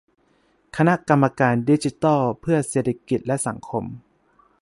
คณะกรรมการดิจิทัลเพื่อเศรษฐกิจและสังคม